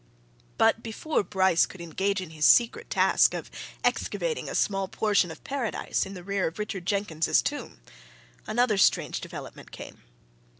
But before Bryce could engage in his secret task of excavating a small portion of Paradise in the rear of Richard Jenkins's tomb, another strange development came.